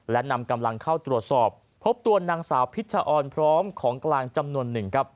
และนำกำลังเข้าตรวจสอบพบตัวนางสาวพิชชะออนพร้อมของกลางจำนวนหนึ่ง